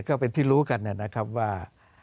ก็เป็นที่รู้กันนะครับว่า